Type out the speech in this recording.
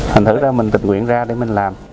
thành thử ra mình tịch nguyện ra để mình làm